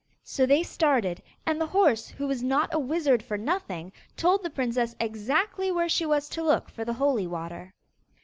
So they started; and the horse, who was not a wizard for nothing, told the princess exactly where she was to look for the holy water.